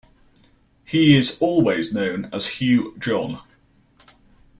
He is always known as "Hugh John".